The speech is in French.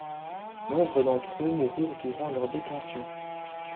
Nombre d'entre eux moururent durant leur détention.